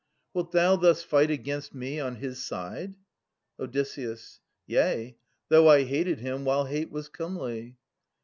Wilt thou thus fight against me on his side ? Od. Yea, though I hated him, while hate was comely.